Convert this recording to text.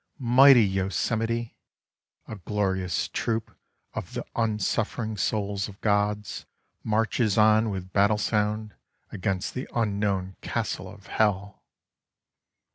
— Aye, mighty Yosemite !— ^a glorious troop of the unsufiering souls of gods Marches on with battle sound against the unknown castle of Hell!